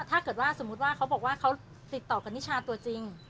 ถ้าเกิดว่าสมมุติว่าเขาบอกว่าเขาติดต่อกับนิชาตัวจริง